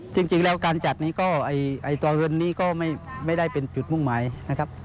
จริงแล้วการจัดนี้ก็ต่อเงินนี้ก็ไม่ได้เป็นจุดมุ่งหมายนะครับ